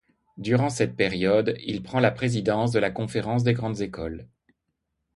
Durant cette période, il prend la présidence de la Conférence des grandes écoles.